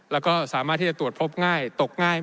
แล้วก็สามารถที่จะตรวจพบง่ายตกง่าย